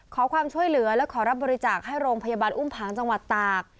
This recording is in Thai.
ขอความช่วยเหลือและขอรับบริจาคให้โรงพยาบาลอุ้มผังจังหวัดตาก